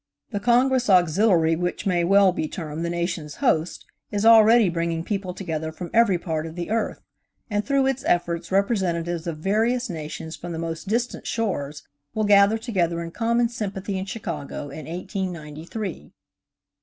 The Congress Auxiliary which may well be termed the nation's host is already bringing people together from every part of the earth, and through its efforts representatives of various nations from the most distant shores will gather together in common sympathy in Chicago in 1893. Mrs.